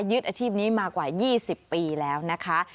ยึดอาชีพนี้มากว่า๒๐ปีแล้วนะคะ